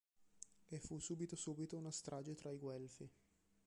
E fu subito subito una strage tra i guelfi.